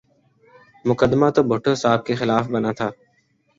مقدمہ تو بھٹو صاحب کے خلاف بنا تھا۔